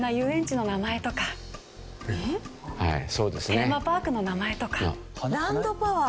テーマパークの名前とか。